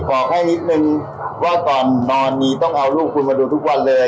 บอกให้นิดนึงว่าตอนนอนนี้ต้องเอาลูกคุณมาดูทุกวันเลย